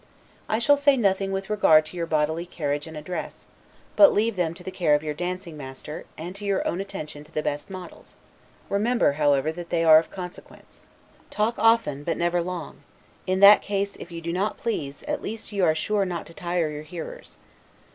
I shall say nothing with regard to your bodily carriage and address, but leave them to the care of your dancing master, and to your own attention to the best models; remember, however, that they are of consequence. Talk often, but never long: in that case, if you do not please, at least you are sure not to tire your hearers.